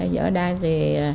do đai thì